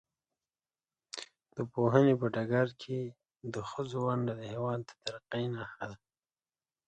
د پوهنې په ډګر کې د ښځو ونډه د هېواد د ترقۍ نښه ده.